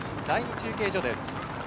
第２中継所です。